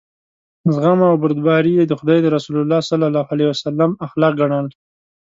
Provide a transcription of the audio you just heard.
زغم او بردباري یې د خدای د رسول صلی الله علیه وسلم اخلاق ګڼل.